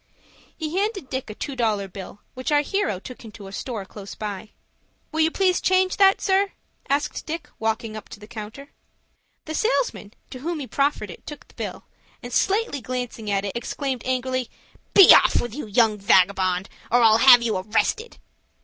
He handed Dick a two dollar bill, which our hero took into a store close by. "Will you please change that, sir?" said Dick, walking up to the counter. The salesman to whom he proffered it took the bill, and, slightly glancing at it, exclaimed angrily, "Be off, you young vagabond, or I'll have you arrested."